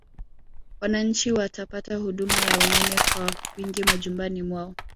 Wananchi watapata huduma ya umeme kwa wingi majumbani mwao